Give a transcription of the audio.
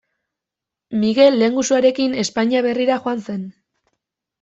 Migel lehengusuarekin Espainia Berrira joan zen.